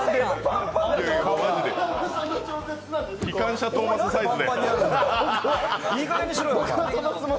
きかんしゃトーマスサイズで。